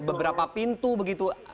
beberapa pintu begitu